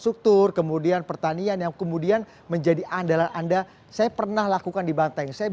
struktur kemudian pertanian yang kemudian menjadi andalan anda saya pernah lakukan di banteng saya